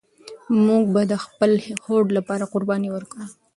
موږ به د خپل هوډ لپاره قرباني ورکوو.